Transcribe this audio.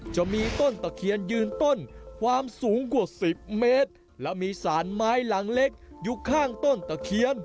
จะมีต้นตะเคียนยืนต้นความสูงกว่า๑๐เมตรและมีสารไม้หลังเล็กอยู่ข้างต้นตะเคียน